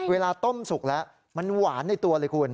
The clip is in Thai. เวลาต้มสุกแล้วมันหวานในตัวเลยคุณ